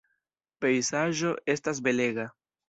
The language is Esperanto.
La pejzaĝo estas belega.